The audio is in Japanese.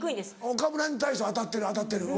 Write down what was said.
岡村に対しては当たってる当たってる。